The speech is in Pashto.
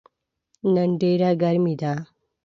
نن ډیره ګرمې ده